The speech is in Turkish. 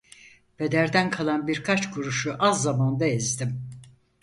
Pederden kalan birkaç kuruşu az zamanda ezdim.